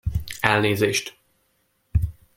Elnézést!